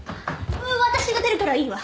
私が出るからいいわ。